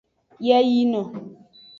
Yeyino.